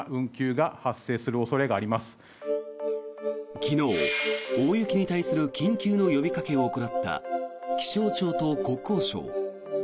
昨日、大雪に対する緊急の呼びかけを行った気象庁と国交省。